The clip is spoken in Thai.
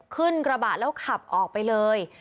ขึ้นกระบะแล้วขับออกไปเลย